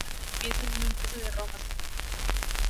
Comenzó como empleada de limpieza en una empresa de Roma.